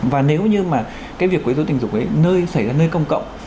và nếu như mà cái việc quấy dối tình dục ấy nơi xảy ra nơi công cộng